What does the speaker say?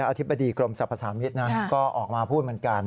อธิบดีกรมสรรพสามิตรก็ออกมาพูดเหมือนกัน